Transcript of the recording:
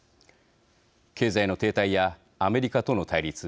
経済の停滞やアメリカとの対立